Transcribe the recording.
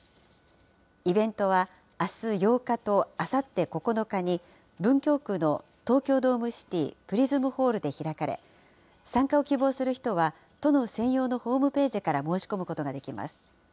イベントは、あす８日と、あさって９日に、文京区の東京ドームシティプリズムホールで開かれ、参加を希望する人は、都の専用のホームページから申し込むことができます。